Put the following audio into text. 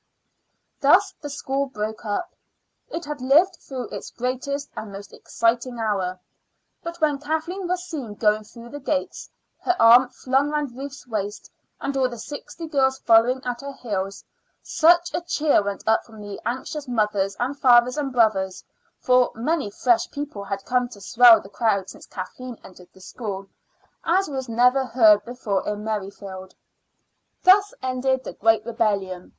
Thus the school broke up. It had lived through its greatest and most exciting hour. But when Kathleen was seen going through the gates, her arm flung round Ruth's waist, and all the sixty girls following at her heels, such a cheer went up from the anxious mothers and fathers and brothers for many fresh people had come to swell the crowd since Kathleen entered the school as was never heard before in Merrifield. Thus ended the great rebellion.